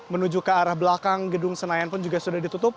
menuju ke arah belakang gedung senayan pun juga sudah ditutup